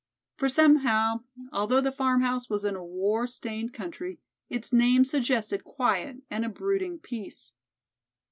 For somehow, although the farmhouse was in a war stained country, its name suggested quiet and a brooding peace.